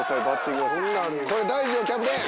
大事よキャプテン！